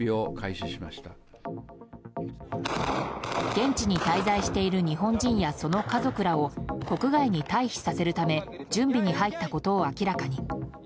現地に滞在している日本人やその家族らを国外に退避させるため準備に入ったことを明らかに。